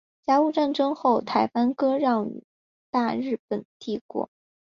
甲午战争后台湾割让予大日本帝国。